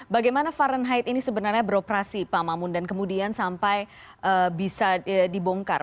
bagaimana fahrenheit ini sebenarnya beroperasi pak mamun dan kemudian sampai bisa dibongkar